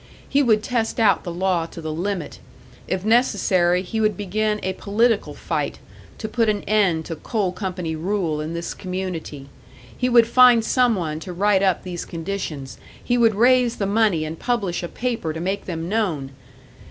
He would test out the law to the limit; if necessary, he would begin a political fight, to put an end to coal company rule in this community. He would find some one to write up these conditions, he would raise the money and publish a paper to make them known!